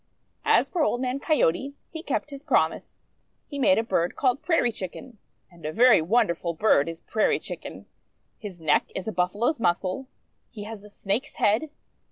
As for Old Man Coyote, he kept his promise. He made a bird called Prairie Chicken. And a very wonderful bird is Prairie Chicken. His neck is a Buffalo's muscle. He has a Snake's head.